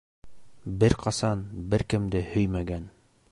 Бер ҡасан бер кемде һөймәгән.